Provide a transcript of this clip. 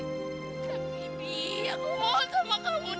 tapi di aku mohon sama kamu di